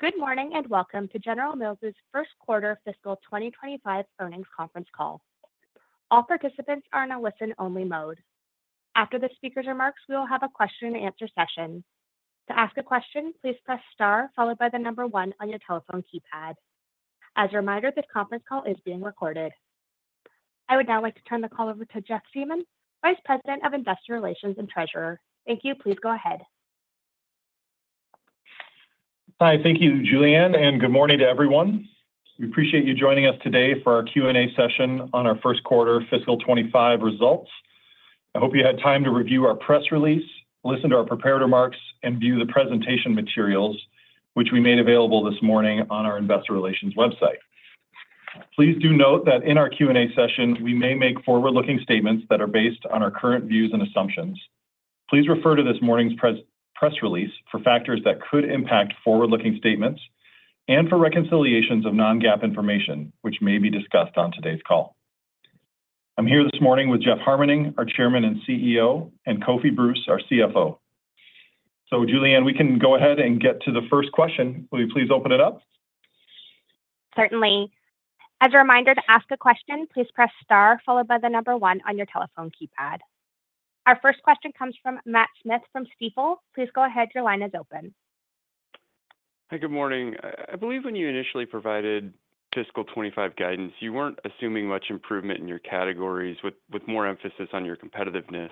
Good morning, and welcome to General Mills' first quarter fiscal 2025 earnings conference call. All participants are in a listen-only mode. After the speaker's remarks, we will have a question and answer session. To ask a question, please press star followed by the number one on your telephone keypad. As a reminder, this conference call is being recorded. I would now like to turn the call over to Jeff Siemon, Vice President of Investor Relations and Treasurer. Thank you. Please go ahead. Hi. Thank you, Julianne, and good morning to everyone. We appreciate you joining us today for our Q&A session on our first quarter fiscal '25 results. I hope you had time to review our press release, listen to our prepared remarks, and view the presentation materials which we made available this morning on our investor relations website. Please do note that in our Q&A session, we may make forward-looking statements that are based on our current views and assumptions. Please refer to this morning's press release for factors that could impact forward-looking statements and for reconciliations of non-GAAP information, which may be discussed on today's call. I'm here this morning with Jeff Harmening, our Chairman and CEO, and Kofi Bruce, our CFO. So, Julianne, we can go ahead and get to the first question. Will you please open it up? Certainly. As a reminder, to ask a question, please press star followed by the number one on your telephone keypad. Our first question comes from Matt Smith from Stifel. Please go ahead. Your line is open. Hey, good morning. I believe when you initially provided fiscal '25 guidance, you weren't assuming much improvement in your categories with more emphasis on your competitiveness.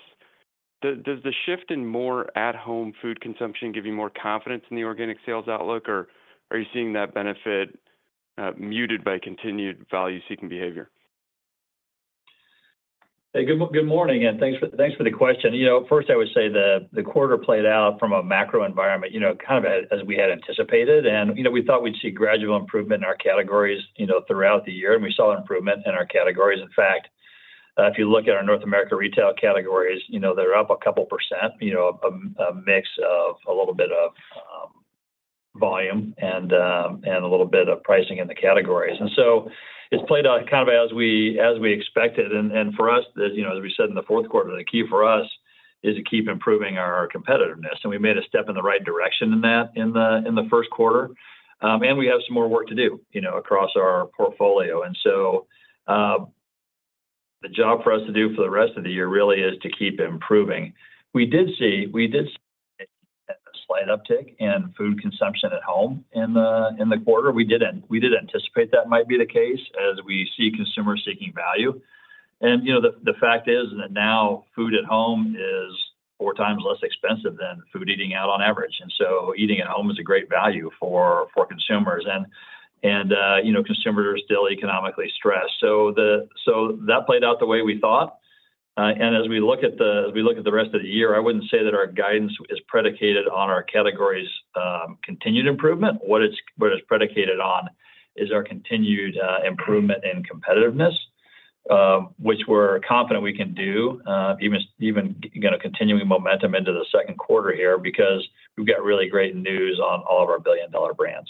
Does the shift in more at-home food consumption give you more confidence in the organic sales outlook, or are you seeing that benefit muted by continued value-seeking behavior? Hey, good morning, and thanks for the question. First, I would say the quarter played out from a macro environment, kind of as we had anticipated. And, we thought we'd see gradual improvement in our categories throughout the year, and we saw improvement in our categories. In fact, if you look at our North America retail categories, they're up a couple%, a mix of a little bit of volume and a little bit of pricing in the categories. And so it's played out kind of as we expected. And for us, the As we said in the fourth quarter, the key for us is to keep improving our competitiveness, and we made a step in the right direction in that in the first quarter, and we have some more work to do, across our portfolio, and so the job for us to do for the rest of the year really is to keep improving. We did see a slight uptick in food consumption at home in the quarter. We did anticipate that might be the case as we see consumers seeking value, and the fact is that now food at home is four times less expensive than food eating out on average, and so eating at home is a great value for consumers. Consumers are still economically stressed. So that played out the way we thought, and as we look at the rest of the year, I wouldn't say that our guidance is predicated on our categories' continued improvement. What it's predicated on is our continued improvement in competitiveness, which we're confident we can do, even continuing momentum into the second quarter here because we've got really great news on all of our billion-dollar brands.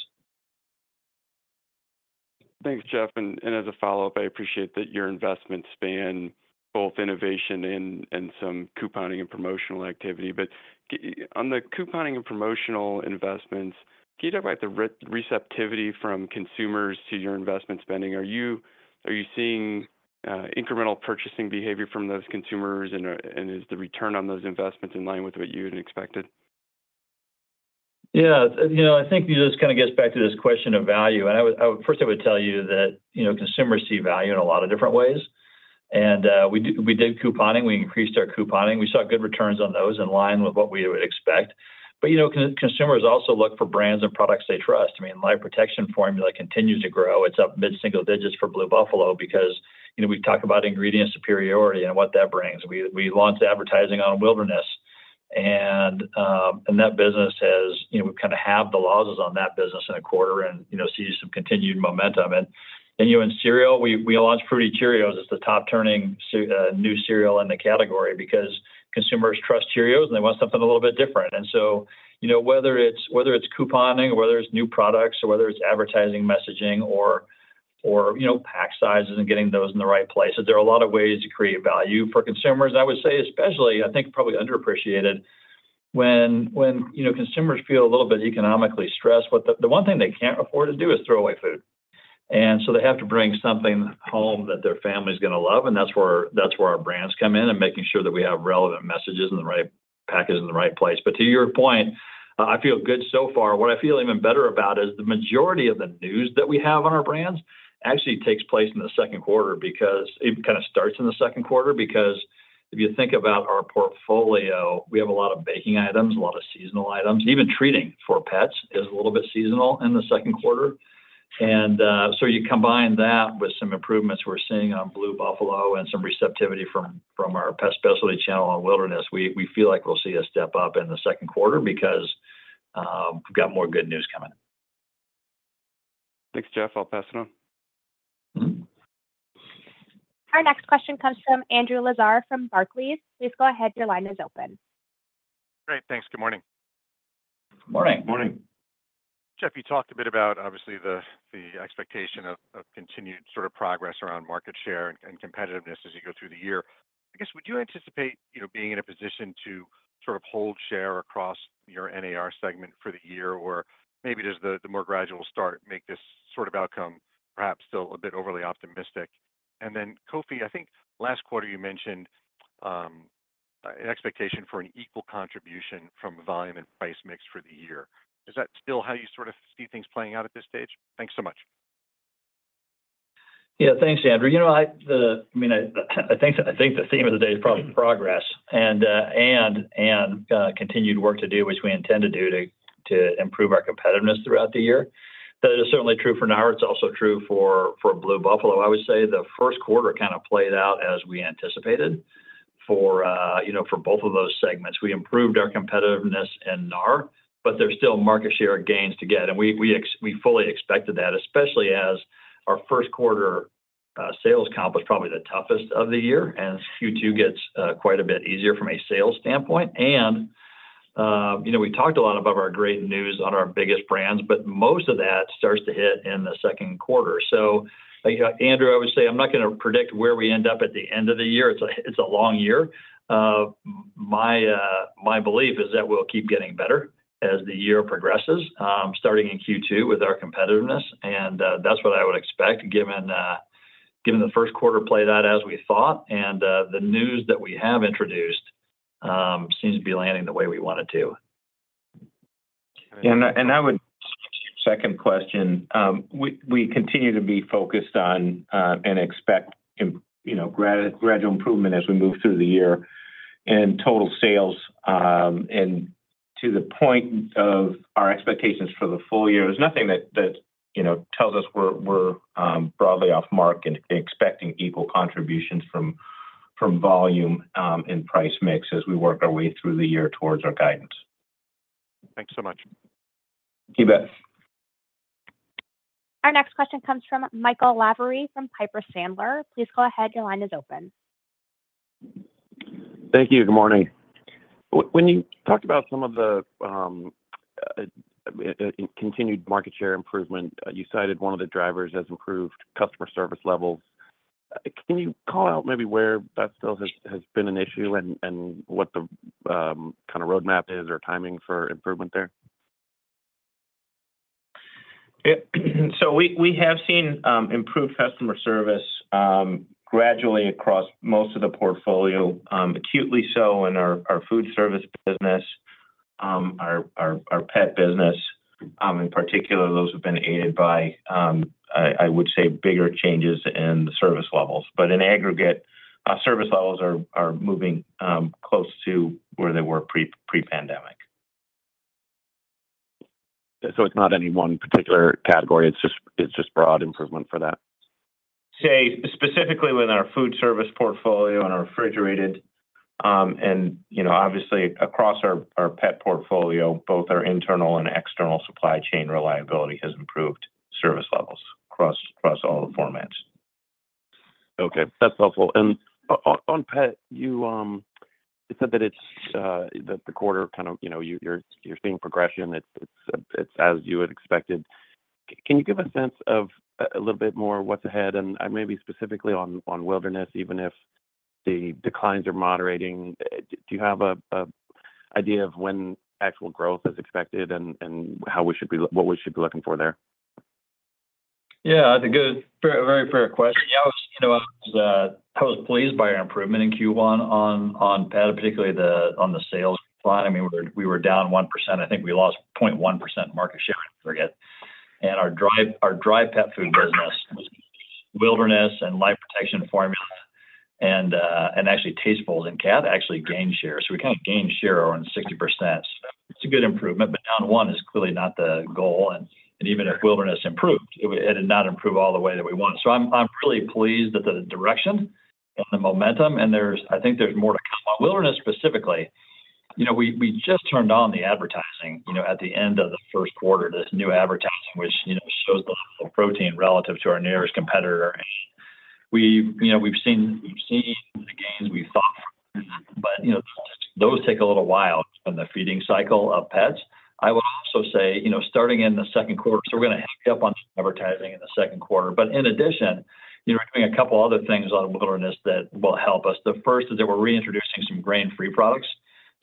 Thanks, Jeff. And as a follow-up, I appreciate that your investments span both innovation and some couponing and promotional activity. But on the couponing and promotional investments, can you talk about the receptivity from consumers to your investment spending? Are you seeing incremental purchasing behavior from those consumers, and is the return on those investments in line with what you had expected? Yeah, I think this kind of gets back to this question of value. First I would tell you that consumers see value in a lot of different ways. And we did couponing. We increased our couponing. We saw good returns on those in line with what we would expect. But consumers also look for brands and products they trust. I mean, Life Protection Formula continues to grow. It's up mid-single digits for Blue Buffalo because we've talked about ingredient superiority and what that brings. We launched advertising on Wilderness, and that business has we've kind of halved the losses on that business in a quarter and see some continued momentum. In cereal, we launched Fruity Cheerios as the top-turning cereal, new cereal in the category because consumers trust Cheerios, and they want something a little bit different. So, whether it's couponing or whether it's new products or whether it's advertising messaging or pack sizes and getting those in the right places, there are a lot of ways to create value for consumers. I would say, especially, I think probably underappreciated, when consumers feel a little bit economically stressed, the one thing they can't afford to do is throw away food. So they have to bring something home that their family's gonna love, and that's where our brands come in and making sure that we have relevant messages in the right package and the right place. But to your point, I feel good so far. What I feel even better about is the majority of the news that we have on our brands actually takes place in the second quarter because it kind of starts in the second quarter, because if you think about our portfolio, we have a lot of baking items, a lot of seasonal items. Even treats for pets is a little bit seasonal in the second quarter. And so you combine that with some improvements we're seeing on Blue Buffalo and some receptivity from our pet specialty channel on Wilderness, we feel like we'll see a step up in the second quarter because we've got more good news coming. Thanks, Jeff. I'll pass it on. Mm-hmm. Our next question comes from Andrew Lazar from Barclays. Please go ahead. Your line is open. Great. Thanks. Good morning. Morning. Morning. Jeff, you talked a bit about obviously the expectation of continued sort of progress around market share and competitiveness as you go through the year. I guess, would you anticipate being in a position to sort of hold share across your NAR segment for the year? Or maybe does the more gradual start make this sort of outcome perhaps still a bit overly optimistic? And then, Kofi, I think last quarter you mentioned, an expectation for an equal contribution from volume and price mix for the year. Is that still how you sort of see things playing out at this stage? Thanks so much. Yeah, thanks, Andrew. I mean, I think the theme of the day is probably progress and continued work to do, which we intend to do to improve our competitiveness throughout the year. That is certainly true for NAR. It's also true for Blue Buffalo. I would say the first quarter kind of played out as we anticipated for both of those segments. We improved our competitiveness in NAR, but there's still market share gains to get, and we fully expected that, especially as our first quarter sales comp was probably the toughest of the year, and Q2 gets quite a bit easier from a sales standpoint. We talked a lot about our great news on our biggest brands, but most of that starts to hit in the second quarter. Andrew, I would say I'm not gonna predict where we end up at the end of the year. It's a long year. My belief is that we'll keep getting better as the year progresses, starting in Q2 with our competitiveness, and that's what I would expect, given the first quarter played out as we thought. The news that we have introduced seems to be landing the way we want it to. And I would second question. We continue to be focused on and expect gradual improvement as we move through the year, and total sales and to the point of our expectations for the full year, there's nothing that tells us we're broadly off the mark in expecting equal contributions from volume and price mix as we work our way through the year towards our guidance. Thanks so much. You bet. Our next question comes from Michael Lavery, from Piper Sandler. Please go ahead. Your line is open. Thank you. Good morning. When you talked about some of the continued market share improvement, you cited one of the drivers as improved customer service levels. Can you call out maybe where that still has been an issue and what the kind of roadmap is or timing for improvement there? Yeah, so we have seen improved customer service gradually across most of the portfolio, acutely so in our food service business, our pet business. In particular, those have been aided by, I would say bigger changes in the service levels. But in aggregate, our service levels are moving close to where they were pre-pandemic. So it's not any one particular category, it's just broad improvement for that? Say, specifically with our food service portfolio and our refrigerated, and obviously, across our pet portfolio, both our internal and external supply chain reliability has improved service levels across all the formats. Okay, that's helpful. And on pet, you said that it's that the quarter kind of you're seeing progression. It's as you had expected. Can you give a sense of a little bit more what's ahead and maybe specifically on Wilderness, even if the declines are moderating, do you have an idea of when actual growth is expected and how we should be what we should be looking for there? Yeah, that's a good, fair, very fair question. Yeah, I was, I was pleased by our improvement in Q1 on pet, particularly on the sales front. I mean, we were down 1%. I think we lost 0.1% market share, I forget. And our dry pet food business was Wilderness and Life Protection Formula, and actually Tastefuls and cat actually gained share. So we kind of gained share around 60%. It's a good improvement, but down 1% is clearly not the goal, and even if Wilderness improved, it would, it did not improve all the way that we want. So I'm really pleased at the direction and the momentum, and there's, I think there's more to come. On Wilderness, specifically we just turned on the advertising at the end of the first quarter, this new advertising, which shows the protein relative to our nearest competitor. And we've seen the gains we thought, but those take a little while in the feeding cycle of pets. I will also say, starting in the second quarter, so we're gonna up on advertising in the second quarter. But in addition, we're doing a couple other things on Wilderness that will help us. The first is that we're reintroducing some grain-free products.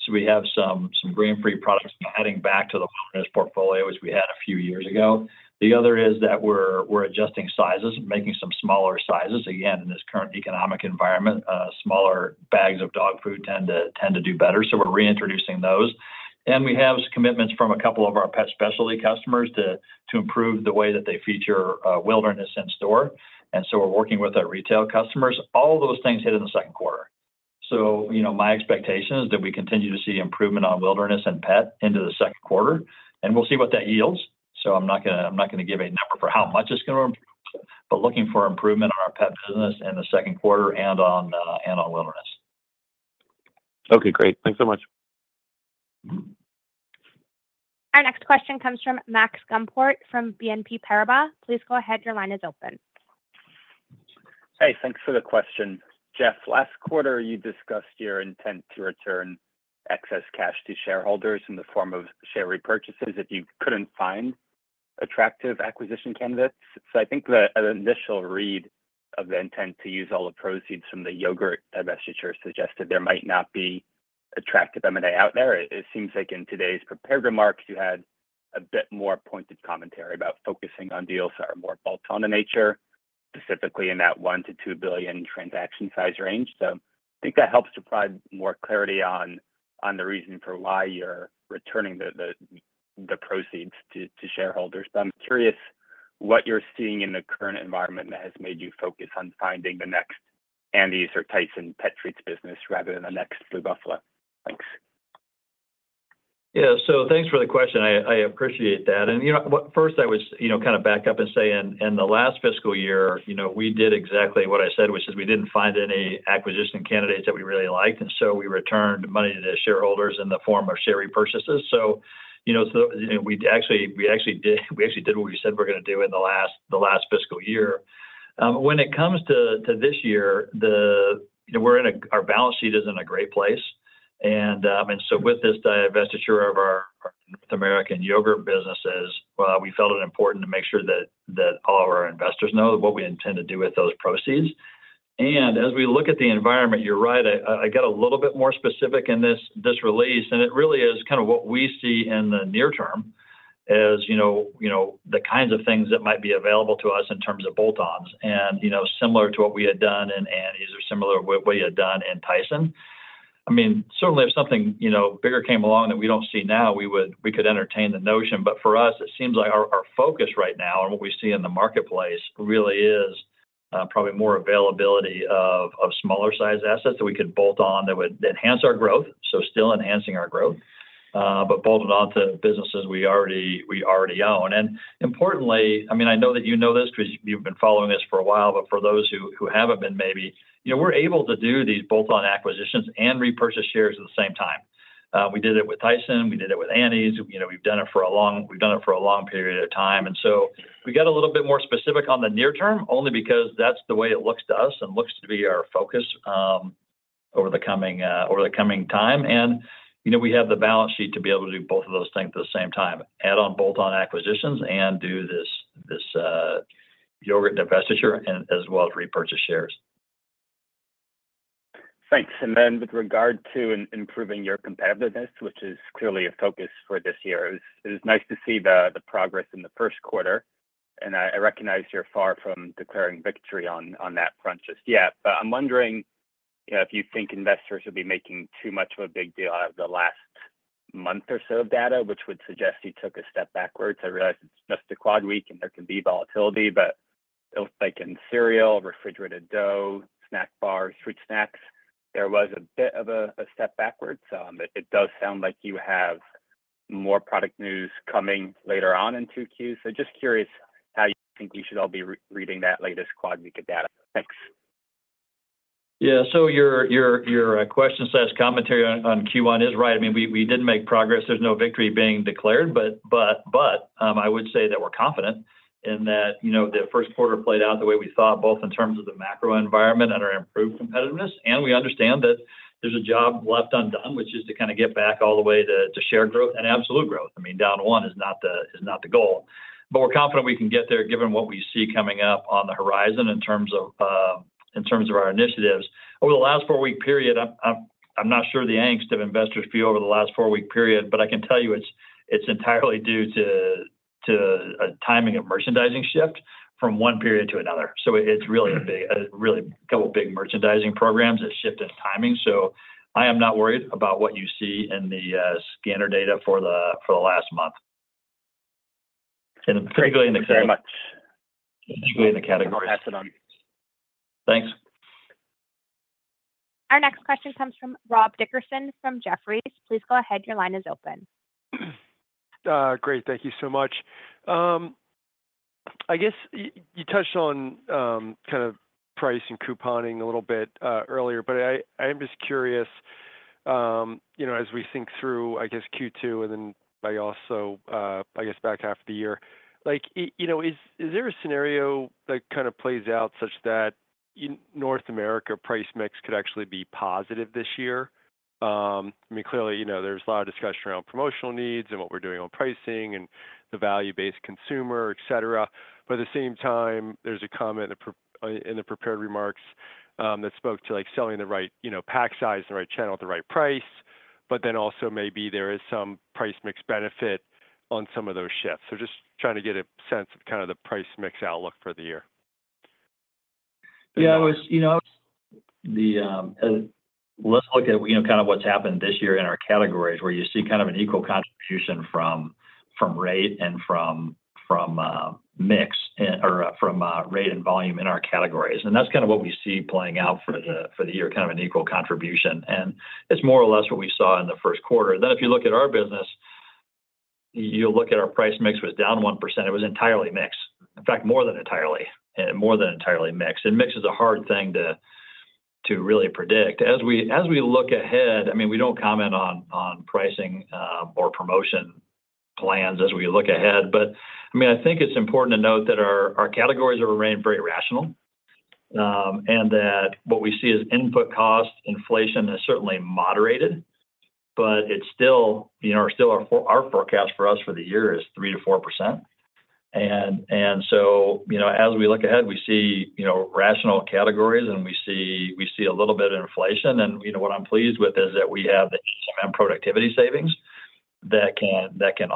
So we have some grain-free products heading back to the Wilderness portfolio, which we had a few years ago. The other is that we're adjusting sizes and making some smaller sizes. Again, in this current economic environment, smaller bags of dog food tend to do better, so we're reintroducing those. We have commitments from a couple of our pet specialty customers to improve the way that they feature Wilderness in store, and so we're working with our retail customers. All those things hit in the second quarter. So, my expectation is that we continue to see improvement on Wilderness and pet into the second quarter, and we'll see what that yields. So I'm not gonna give a number for how much it's gonna improve, but looking for improvement on our pet business in the second quarter and on Wilderness. Okay, great. Thanks so much. Our next question comes from Max Gumport, from BNP Paribas. Please go ahead. Your line is open. Hey, thanks for the question. Jeff, last quarter, you discussed your intent to return excess cash to shareholders in the form of share repurchases if you couldn't find attractive acquisition candidates. So I think an initial read of the intent to use all the proceeds from the yogurt divestiture suggested there might not be attractive M&A out there. It seems like in today's prepared remarks, you had a bit more pointed commentary about focusing on deals that are more bolt-on in nature, specifically in that one to two billion transaction size range. So I think that helps to provide more clarity on the reason for why you're returning the proceeds to shareholders. So I'm curious what you're seeing in the current environment that has made you focus on finding the next Annie's or Tyson pet treats business rather than the next Blue Buffalo. Thanks. Yeah. So thanks for the question. I appreciate that. And first, I was kind of back up and say, in the last fiscal year, we did exactly what I said, which is we didn't find any acquisition candidates that we really liked, and so we returned money to the shareholders in the form of share repurchases. So, we actually did what we said we're gonna do in the last fiscal year. When it comes to this year, we're in a great place, and our balance sheet is in a great place, and so with this divestiture of our North American yogurt businesses, we felt it important to make sure that all of our investors know what we intend to do with those proceeds. As we look at the environment, you're right. I got a little bit more specific in this release, and it really is kinda what we see in the near term is the kinds of things that might be available to us in terms of bolt-ons. And similar to what we had done in Annie's or similar to what we had done in Tyson. I mean, certainly if something bigger came along that we don't see now, we would. We could entertain the notion, but for us, it seems like our focus right now and what we see in the marketplace really is probably more availability of smaller sized assets that we could bolt on, that would enhance our growth, so still enhancing our growth, but bolting on to businesses we already own. And importantly, I mean, I know that this 'cause you've been following this for a while, but for those who haven't been, maybe we're able to do these bolt-on acquisitions and repurchase shares at the same time. We did it with Tyson, we did it with Annie's. We've done it for a long period of time, and so we get a little bit more specific on the near term, only because that's the way it looks to us and looks to be our focus, over the coming time. And we have the balance sheet to be able to do both of those things at the same time, add on bolt-on acquisitions and do this yogurt divestiture, and as well as repurchase shares. Thanks. And then with regard to improving your competitiveness, which is clearly a focus for this year, it was nice to see the progress in the first quarter, and I recognize you're far from declaring victory on that front just yet. But I'm wondering if you think investors would be making too much of a big deal out of the last month or so of data, which would suggest you took a step backwards. I realize it's just a four-week, and there can be volatility, but it looks like in cereal, refrigerated dough, snack bars, fruit snacks, there was a bit of a step backwards. But it does sound like you have more product news coming later on in two Qs. So just curious how you think we should all be re-reading that latest four-week of data. Thanks. Yeah, so your question slash commentary on Q1 is right. I mean, we did make progress. There's no victory being declared, but I would say that we're confident in that the first quarter played out the way we thought, both in terms of the macro environment and our improved competitiveness, and we understand that there's a job left undone, which is to kinda get back all the way to share growth and absolute growth. I mean, down one is not the goal, but we're confident we can get there, given what we see coming up on the horizon in terms of our initiatives. Over the last four-week period, I'm not sure the angst of investors feel over the last four-week period, but I can tell you it's entirely due to a timing of merchandising shift from one period to another, so it's really a couple big merchandising programs that shift in timing, so I am not worried about what you see in the scanner data for the last month. Thank you very much. Categories. Pass it on. Thanks. Our next question comes from Rob Dickerson, from Jefferies. Please go ahead. Your line is open. Great, thank you so much. I guess you touched on kind of price and couponing a little bit earlier, but I'm just curious, as we think through, I guess Q2, and then by also, I guess back half of the year, like is there a scenario that kinda plays out such that in North America, price mix could actually be positive this year? I mean, clearly there's a lot of discussion around promotional needs and what we're doing on pricing and the value-based consumer, et cetera. But at the same time, there's a comment in the prepared remarks that spoke to, like, selling the right pack size, the right channel, at the right price, but then also maybe there is some price mix benefit on some of those shifts. So just trying to get a sense of kinda the price mix outlook for the year. Yeah, it was the. Let's look at kind of what's happened this year in our categories, where you see kind of an equal contribution from rate and from mix, or from rate and volume in our categories. That's kind of what we see playing out for the year, kind of an equal contribution, and it's more or less what we saw in the first quarter. If you look at our business, you'll look at our price mix was down 1%. It was entirely mix. In fact, more than entirely mix, and mix is a hard thing to really predict. As we look ahead, I mean, we don't comment on pricing or promotion plans as we look ahead, but I mean, I think it's important to note that our categories are remaining very rational, and that what we see as input costs, inflation has certainly moderated, but it's still our forecast for the year is 3%-4%. And so, as we look ahead, we see rational categories, and we see a little bit of inflation. And, what I'm pleased with is that we have the HMM and productivity savings that can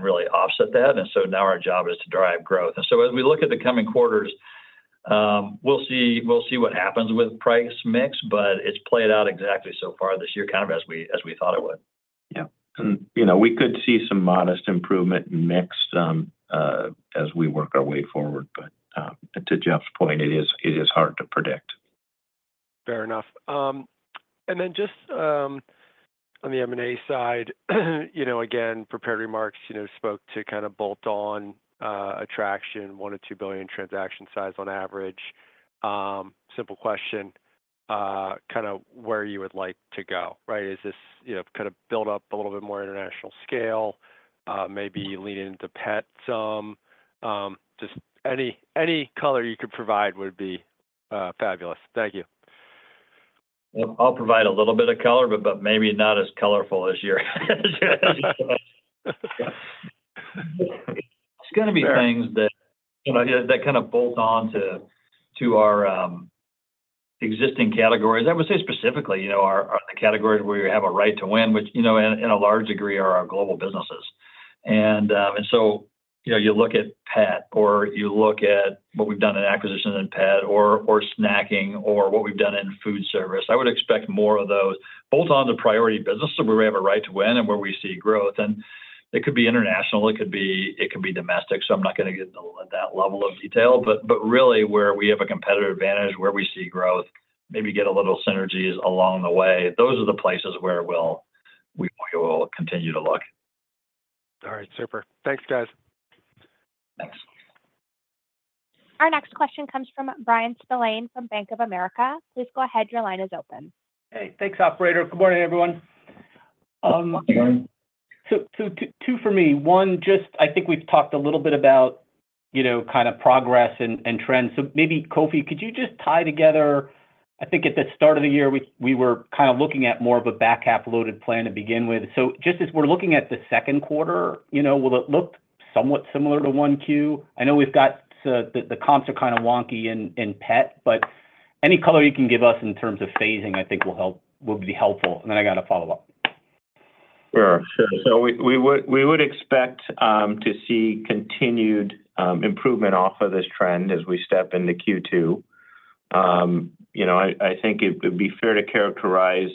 really offset that, and so now our job is to drive growth. And so as we look at the coming quarters, we'll see, we'll see what happens with price mix, but it's played out exactly so far this year, kind of as we, as we thought it would. Yeah, and we could see some modest improvement in mix as we work our way forward, but to Jeff's point, it is hard to predict. Fair enough. And then just, on the M&A side again, prepared remarks, spoke to kind of bolt-on acquisition, $1 billion-$2 billion transaction size on average. Simple question, kind of where you would like to go, right? Is this kind of build up a little bit more international scale, maybe leaning into pet some? Just any color you could provide would be fabulous. Thank you. I'll provide a little bit of color, but maybe not as colorful as your. It's gonna be things that kind of bolt on to our existing categories. I would say specifically the categories where we have a right to win, which in a large degree, are our global businesses. And so, you look at pet, or you look at what we've done in acquisition in pet or snacking, or what we've done in food service. I would expect more of those, both on the priority business, so where we have a right to win and where we see growth, and it could be international, it could be domestic, so I'm not gonna get into all of that level of detail. But really, where we have a competitive advantage, where we see growth, maybe get a little synergies along the way, those are the places where we will continue to look. All right, super. Thanks, guys. Thanks. Our next question comes from Bryan Spillane from Bank of America. Please go ahead. Your line is open. Hey, thanks, operator. Good morning, everyone. Good morning. So, so two for me. One, just I think we've talked a little bit about kind of progress and trends. So maybe, Kofi, could you just tie together. I think at the start of the year, we were kind of looking at more of a back-half loaded plan to begin with. So just as we're looking at the second quarter, will it look somewhat similar to one Q? I know we've got the comps are kind of wonky in pet, but any color you can give us in terms of phasing, I think will help - will be helpful, and then I got a follow-up. Sure. So we would expect to see continued improvement off of this trend as we step into Q2. You know, I think it would be fair to characterize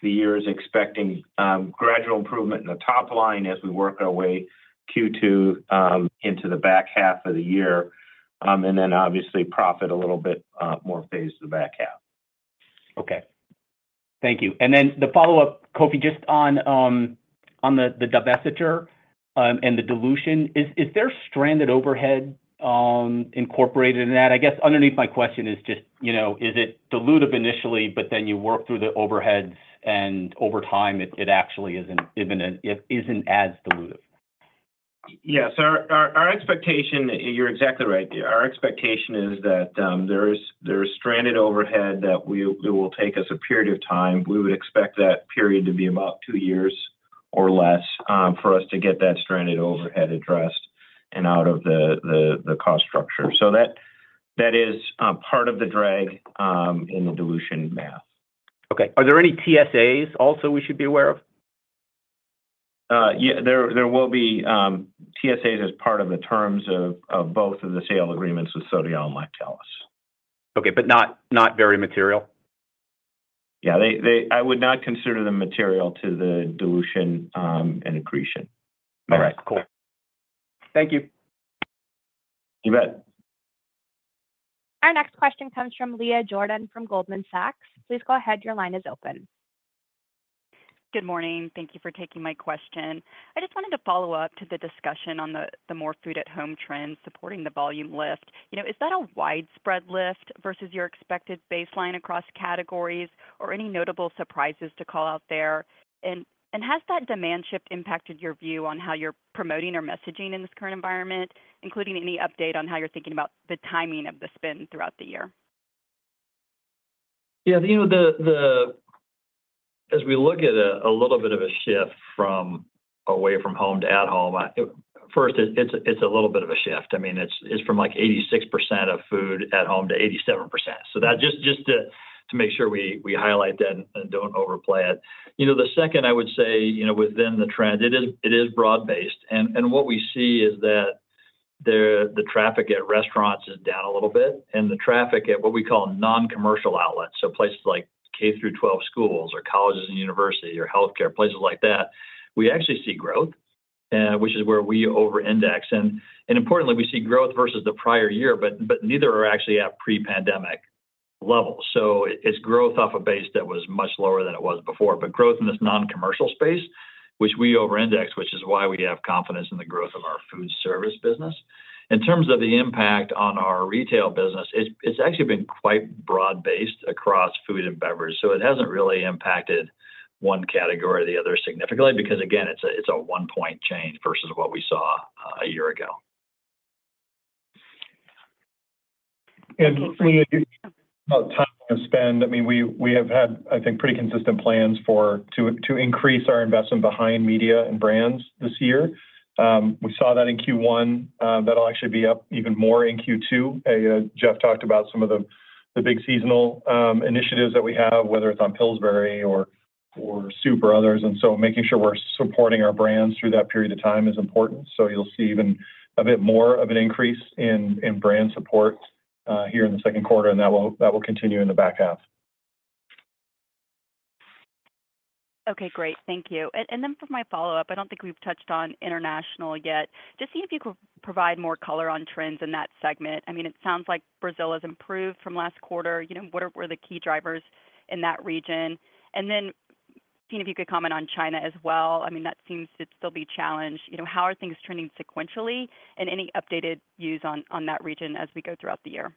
the year as expecting gradual improvement in the top line as we work our way Q2 into the back half of the year, and then obviously, profit a little bit more phased to the back half. Okay. Thank you, and then the follow-up, Kofi, just on the divestiture and the dilution, is there stranded overhead incorporated in that? I guess underneath my question is just, is it dilutive initially, but then you work through the overheads, and over time, it actually isn't even, it isn't as dilutive? Yes. So our expectation that you're exactly right. Our expectation is that there is stranded overhead that it will take us a period of time. We would expect that period to be about two years or less for us to get that stranded overhead addressed and out of the cost structure. So that is part of the drag in the dilution math. Okay. Are there any TSAs also we should be aware of? Yeah, there will be TSAs as part of the terms of both of the sale agreements with Sodiaal and Lactalis. Okay, but not very material? Yeah, they. I would not consider them material to the dilution and accretion. All right, cool. Thank you. You bet. Our next question comes from Leah Jordan, from Goldman Sachs. Please go ahead. Your line is open. Good morning. Thank you for taking my question. I just wanted to follow up to the discussion on the more food at home trend supporting the volume lift is that a widespread lift versus your expected baseline across categories or any notable surprises to call out there? And has that demand shift impacted your view on how you're promoting or messaging in this current environment, including any update on how you're thinking about the timing of the spend throughout the year? Yeah, ythe as we look at a little bit of a shift from away from home to at home. First, it's a little bit of a shift. I mean, it's from, like, 86% of food at home to 87%. So just to make sure we highlight that and don't overplay it. The second I would say within the trend, it is broad-based. And what we see is that the traffic at restaurants is down a little bit, and the traffic at what we call non-commercial outlets, so places like K through 12 schools or colleges and universities or healthcare, places like that, we actually see growth, which is where we overindex. Importantly, we see growth versus the prior year, but neither are actually at pre-pandemic levels. So it's growth off a base that was much lower than it was before, but growth in this non-commercial space, which we overindex, which is why we have confidence in the growth of our food service business. In terms of the impact on our retail business, it's actually been quite broad-based across food and beverage, so it hasn't really impacted one category or the other significantly, because again, it's a one point change versus what we saw a year ago. And when you, about time to spend, I mean, we have had, I think, pretty consistent plans for to increase our investment behind media and brands this year. We saw that in Q1. That'll actually be up even more in Q2. Jeff talked about some of the big seasonal initiatives that we have, whether it's on Pillsbury or soup or others, and so making sure we're supporting our brands through that period of time is important. So you'll see even a bit more of an increase in brand support here in the second quarter, and that will continue in the back half. Okay, great. Thank you. And then for my follow-up, I don't think we've touched on international yet. Just see if you could provide more color on trends in that segment. I mean, it sounds like Brazil has improved from last quarter, what were the key drivers in that region? And then, seeing if you could comment on China as well. I mean, that seems to still be challenged how are things turning sequentially, and any updated views on that region as we go throughout the year?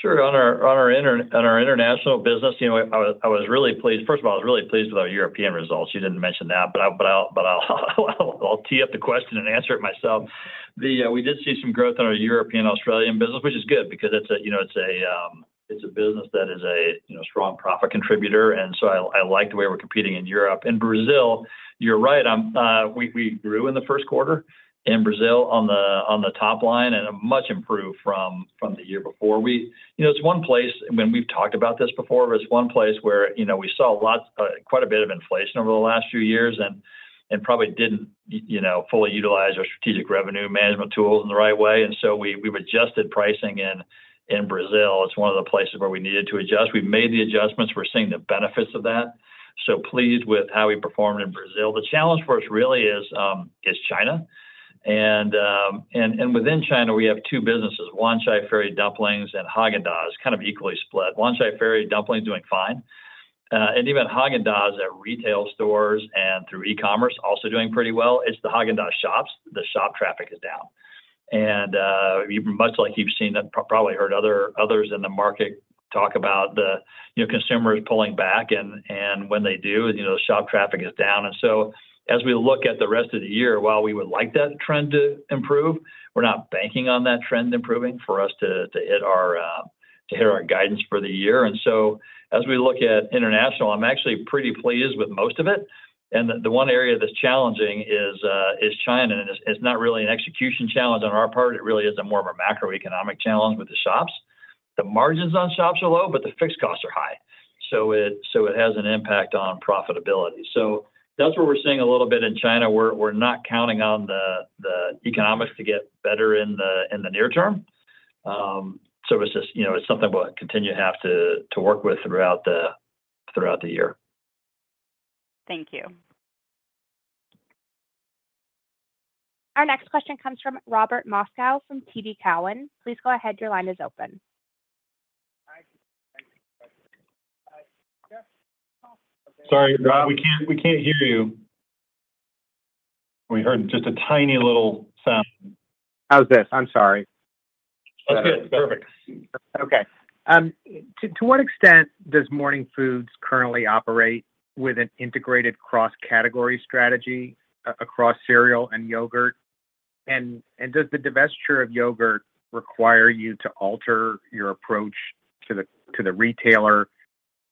Sure. On our international business, I was really pleased. First of all, I was really pleased with our European results. You didn't mention that, but I'll tee up the question and answer it myself. We did see some growth in our European, Australian business, which is good because it's a business that is a strong profit contributor, and so I like the way we're competing in Europe. In Brazil, you're right, we grew in the first quarter in Brazil, on the top line, and a much improved from the year before. It's one place, when we've talked about this before, but it's one place where we saw lots, quite a bit of inflation over the last few years and probably didn't fully utilize our strategic revenue management tools in the right way, and so we've adjusted pricing in Brazil. It's one of the places where we needed to adjust. We've made the adjustments, we're seeing the benefits of that, so pleased with how we performed in Brazil. The challenge for us really is China and within China, we have two businesses, Wanchai Ferry dumplings and Häagen-Dazs, kind of equally split. Wanchai Ferry dumpling is doing fine, and even Häagen-Dazs at retail stores and through e-commerce, also doing pretty well, it's the Häagen-Dazs shops. The shop traffic is down. Much like you've seen, and probably heard others in the market talk about the consumers pulling back, and when they do, shop traffic is down. So as we look at the rest of the year, while we would like that trend to improve, we're not banking on that trend improving for us to hit our guidance for the year. So as we look at international, I'm actually pretty pleased with most of it. The one area that's challenging is China, and it's not really an execution challenge on our part. It really is more of a macroeconomic challenge with the shops. The margins on shops are low, but the fixed costs are high, so it has an impact on profitability. So that's where we're seeing a little bit in China. We're not counting on the economics to get better in the near term. So it's just, it's something we'll continue to have to work with throughout the year. Thank you. Our next question comes from Robert Moskow from TD Cowen. Please go ahead. Your line is open. Sorry, Rob, we can't, we can't hear you. We heard just a tiny little sound. How's this? I'm sorry. That's good. Perfect. Okay. To what extent does Morning Foods currently operate with an integrated cross-category strategy across cereal and yogurt? And does the divestiture of yogurt require you to alter your approach to the retailer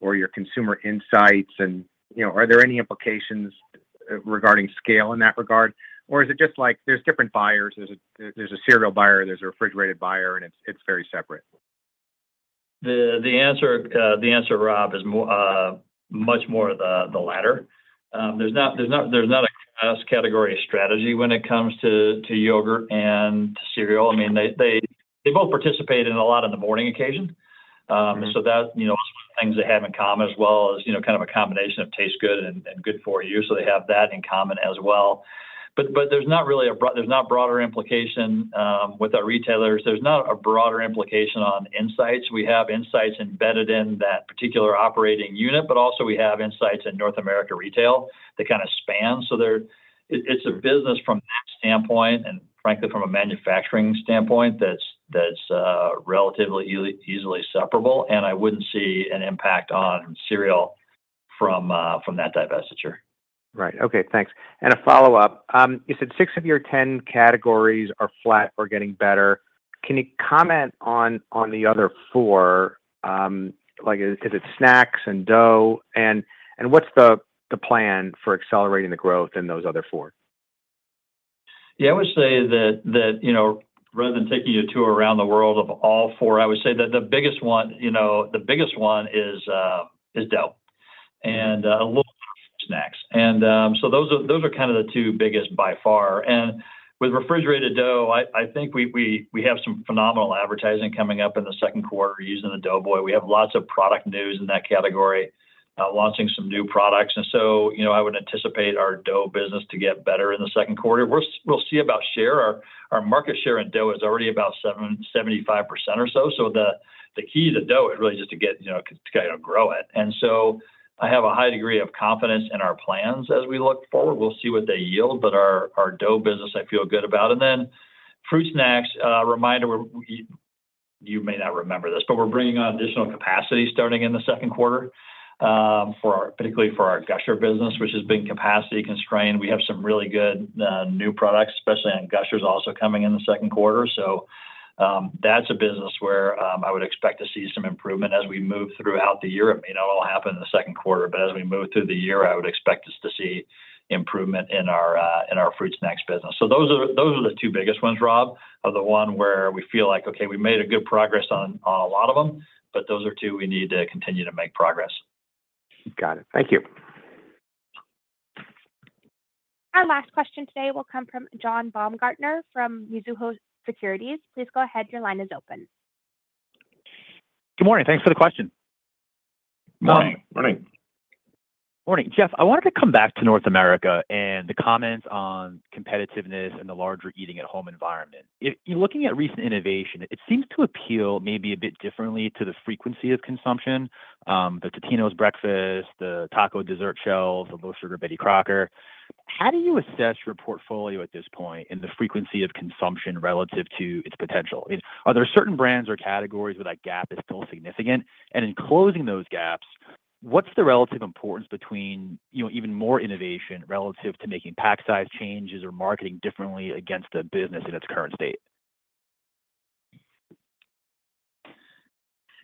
or your consumer insights? And, are there any implications regarding scale in that regard, or is it just like there's different buyers, there's a cereal buyer, there's a refrigerated buyer, and it's very separate? The answer, Rob, is much more of the latter. There's not a cross-category strategy when it comes to yogurt and cereal. I mean, they both participate in a lot of the morning occasion. So that things they have in common as well as kind of a combination of tastes good and good for you. So they have that in common as well. But there's not really a broader implication with our retailers. There's not a broader implication on insights. We have insights embedded in that particular operating unit, but also we have insights in North America Retail that kind of span. So there It's a business from that standpoint, and frankly, from a manufacturing standpoint, that's relatively easily separable, and I wouldn't see an impact on cereal from that divestiture. Right. Okay, thanks. And a follow-up. You said six of your ten categories are flat or getting better. Can you comment on the other four? Like, is it snacks and dough? And what's the plan for accelerating the growth in those other four? Yeah, I would say that rather than taking you around the world of all four, I would say that the biggest one is dough and a little snacks. So those are kind of the two biggest by far. And with refrigerated dough, I think we have some phenomenal advertising coming up in the second quarter using the Doughboy. We have lots of product news in that category, launching some new products. And so, I would anticipate our dough business to get better in the second quarter. We'll see about share. Our market share in dough is already about 75% or so, so the key to dough is really just to get to kind of grow it. And so I have a high degree of confidence in our plans as we look forward. We'll see what they yield, but our dough business, I feel good about. And then fruit snacks, reminder, you may not remember this, but we're bringing on additional capacity starting in the second quarter, for our, particularly for our Gushers business, which has been capacity constrained. We have some really good, new products, especially on Gushers, also coming in the second quarter. So, that's a business where, I would expect to see some improvement as we move throughout the year. It may not all happen in the second quarter, but as we move through the year, I would expect us to see improvement in our, in our fruit snacks business. So those are the two biggest ones, Rob, the ones where we feel like, okay, we made good progress on a lot of them, but those are the two we need to continue to make progress. Got it. Thank you. Our last question today will come from John Baumgartner, from Mizuho Securities. Please go ahead. Your line is open. Good morning. Thanks for the question. Morning, morning. Morning. Jeff, I wanted to come back to North America and the comments on competitiveness and the larger eating at home environment. If you're looking at recent innovation, it seems to appeal maybe a bit differently to the frequency of consumption, the Totino’s breakfast, the taco dessert shells, the low sugar Betty Crocker. How do you assess your portfolio at this point in the frequency of consumption relative to its potential? Is-- are there certain brands or categories where that gap is still significant? And in closing those gaps, what's the relative importance between, even more innovation relative to making pack size changes or marketing differently against the business in its current state?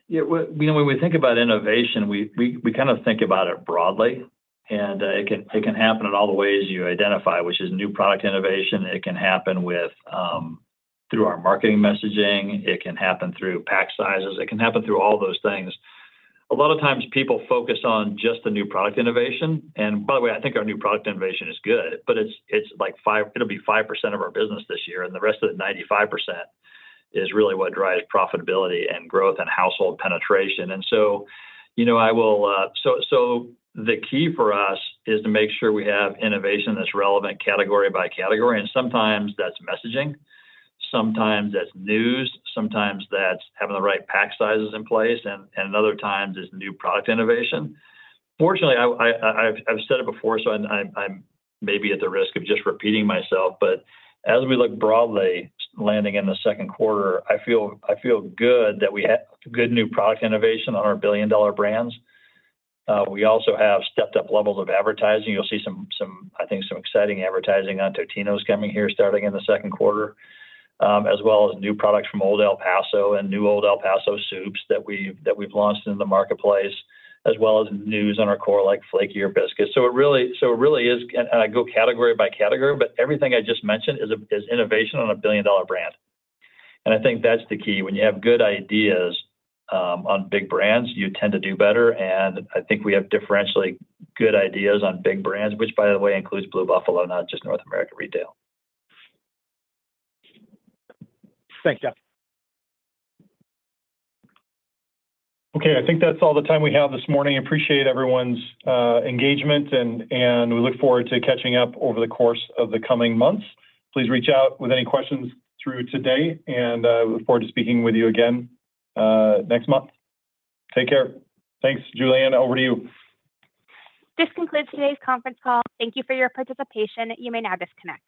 Yeah, well, when we think about innovation, we kind of think about it broadly, and it can happen in all the ways you identify, which is new product innovation. It can happen with through our marketing messaging. It can happen through pack sizes. It can happen through all those things. A lot of times people focus on just the new product innovation, and by the way, I think our new product innovation is good, but it's like 5%. It'll be 5% of our business this year, and the rest of the 95% is really what drives profitability and growth and household penetration. And so, I will. So the key for us is to make sure we have innovation that's relevant, category by category, and sometimes that's messaging, sometimes that's news, sometimes that's having the right pack sizes in place, and other times it's new product innovation. Fortunately, I've said it before, so I'm maybe at the risk of just repeating myself, but as we look broadly, landing in the second quarter, I feel good that we have good new product innovation on our billion-dollar brands. We also have stepped up levels of advertising. You'll see some, I think, exciting advertising on Totino’s coming here starting in the second quarter, as well as new products from Old El Paso and new Old El Paso soups that we've launched in the marketplace, as well as news on our core like Flaky or Biscuit. So it really is, and I go category by category, but everything I just mentioned is innovation on a billion-dollar brand. And I think that's the key. When you have good ideas on big brands, you tend to do better, and I think we have differentially good ideas on big brands, which, by the way, includes Blue Buffalo, not just North America Retail. Thanks, Jeff. Okay, I think that's all the time we have this morning. Appreciate everyone's engagement and we look forward to catching up over the course of the coming months. Please reach out with any questions through today, and we look forward to speaking with you again next month. Take care. Thanks, Julianne, over to you. This concludes today's conference call. Thank you for your participation. You may now disconnect.